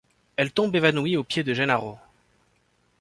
Elle tombe évanouie aux pieds de Gennaro.